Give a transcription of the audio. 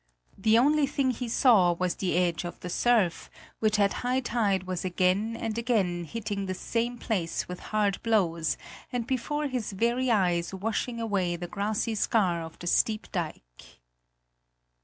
The only thing he saw was the edge of the surf, which at high tide was again and again hitting the same place with hard blows and before his very eyes washing away the grassy scar of the steep dike.